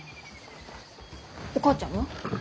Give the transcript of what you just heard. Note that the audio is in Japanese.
お母ちゃんは？